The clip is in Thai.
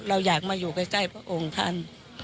เราอยากมาอยู่ใกล้พระองค์ท่าน